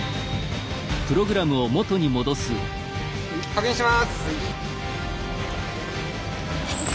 確認します！